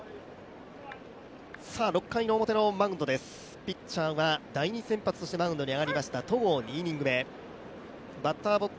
６回表のマウンドです、ピッチャーが第２先発としてマウンドに上がりました戸郷、２イニング目。